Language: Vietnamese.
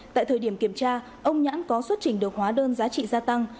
tại thời điểm kiểm tra ông nhãn có xuất trình được hóa đơn giá trị gia tăng